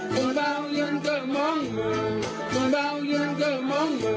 ต่อเบายินเก้อมองมือต่อเบายินเกอร์มองมือ